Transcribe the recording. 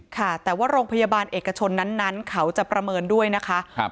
ค่ะแต่ว่าโรงพยาบาลเอกชนนั้นเขาจะประเมินด้วยนะคะ